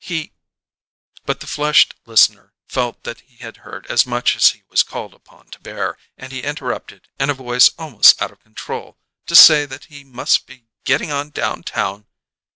He " But the flushed listener felt that he had heard as much as he was called upon to bear; and he interrupted, in a voice almost out of control, to say that he must be "getting on downtown."